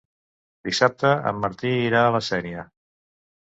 Dissabte en Martí irà a la Sénia.